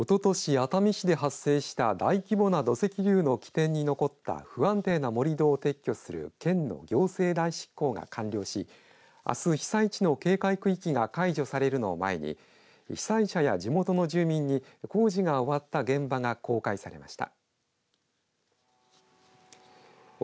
熱海市で発生した大規模な土石流の起点に残った不安定な盛り土を撤去する県の行政代執行が完了しあす、被災地の警戒区域が解除されるのを前に被災者や地元の住民に工事が終わった現場が公開されました。